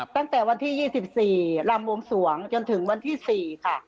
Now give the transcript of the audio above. ตั้งแต่วันที่๒๔รำวงสวงจนถึงวันที่๔ค่ะ